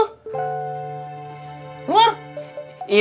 hai luar iya bah ya